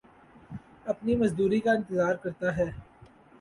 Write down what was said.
اپنی مزدوری کا انتظار کرتا ہے